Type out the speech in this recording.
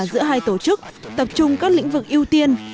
giữa hai tổ chức tập trung các lĩnh vực ưu tiên